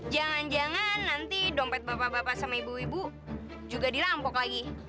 jangan jangan nanti dompet bapak bapak sama ibu ibu juga dirampok lagi